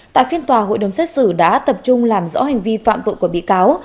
tại phiên tòa hội đồng xét xử đã tập trung làm rõ hành vi phạm vụ của bịa cáo